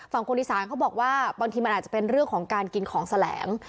คนอีสานเขาบอกว่าบางทีมันอาจจะเป็นเรื่องของการกินของแสลง